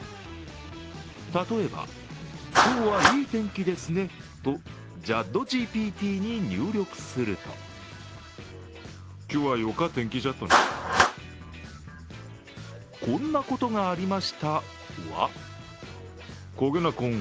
例えば、今日はいい天気ですねとＪａｄｄｏＧＰＴに入力すると「こんなことがありました」は？